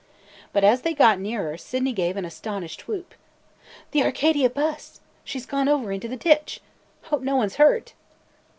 But as tliey got nearer, Sydney gave an astonished whoop. "The Arcadia bus! She 's gone over into the ditch. Hope no one 's hurt!"